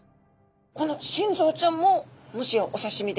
この心臓ちゃんももしやお刺身で？